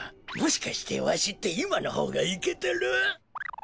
もしかしてわしっていまのほうがいけてる？